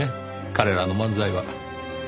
彼らの漫才は。